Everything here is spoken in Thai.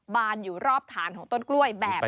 บานอยู่รอบฐานของต้นกล้วยแบบนี้